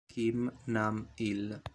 Kim Nam-il